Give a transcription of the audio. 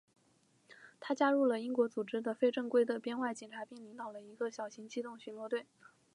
他加入了英国组织的非正规的编外警察并领导了一个小型机动巡逻队。